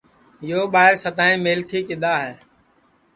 یو ٻائیر سدائیں میلکھی کِدؔا ہے